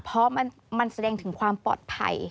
เพราะมันแสดงถึงความปลอดภัย